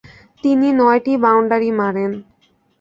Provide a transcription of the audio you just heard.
তিনি নয়টি বাউন্ডারি মারেন।